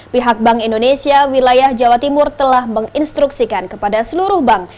pihak bank indonesia wilayah jawa timur telah menginstruksikan kepada seluruh bank